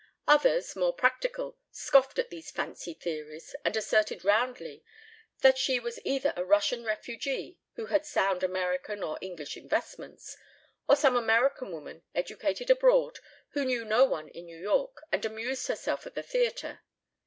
Others, more practical, scoffed at these fancy theories and asserted roundly that she was either a Russian refugee who had sound American or English investments, or some American woman, educated abroad, who knew no one in New York and amused herself at the theatre.